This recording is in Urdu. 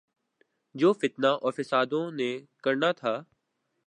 جو فتنہ اورفسادوالوں نے کرنا تھا۔